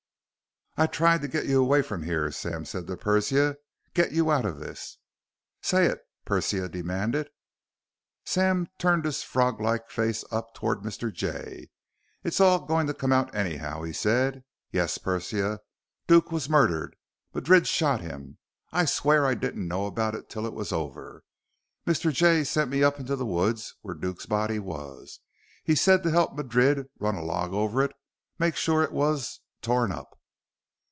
"I've tried to get you away from here," Sam said to Persia, "get you out of this " "Say it!" Persia demanded. Sam turned his froglike face up toward Mr. Jay. "It's all going to come out, anyhow," he said. "Yes, Persia. Duke was murdered. Madrid shot him. I swear I didn't know about it till it was over. Mr. Jay sent me up into the woods where Duke's body was. He said to help Madrid run a log over it, make sure it was ... torn up."